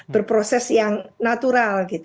berproses yang natural